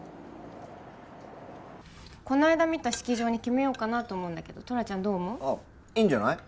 この間見た式場に決めようかなと思うんだけどトラちゃんどう思う？ああいいんじゃない？